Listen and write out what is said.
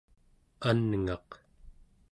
anngaq